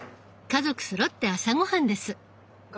家族そろって朝ごはんです。